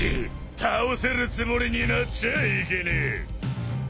倒せるつもりになっちゃいけねえ。